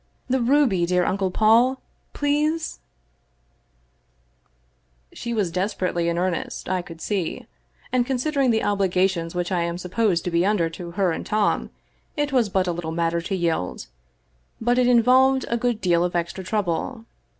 The ruby, dear Uncle Paul, please I" 266 The Great VMez Sapphire She was desperately in earnest I could see, and consider ing the obligations which I am supposed to be under to her and Tom, it was but a little matter to yield, but it in volved a good deal of extra trouble.